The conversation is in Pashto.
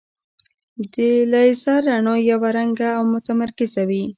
د لیزر رڼا یو رنګه او متمرکزه وي.